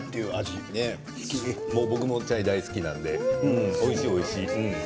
僕もチャイ大好きなんですけど、おいしい。